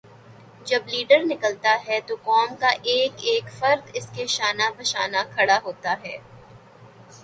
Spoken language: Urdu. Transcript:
جب لیڈر نکلتا ہے تو قوم کا ایک ایک فرد اسکے شانہ بشانہ کھڑا ہوتا ہے۔